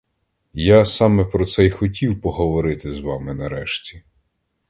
Я саме про це й хотів поговорити з вами нарешті.